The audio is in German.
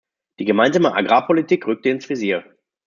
Die Gemeinsame Agrarpolitik rückte ins Visier.